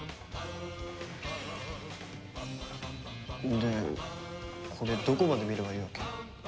でこれどこまで見ればいいわけ？